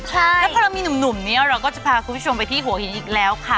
แล้วพอเรามีหนุ่มเนี่ยเราก็จะพาคุณผู้ชมไปที่หัวหินอีกแล้วค่ะ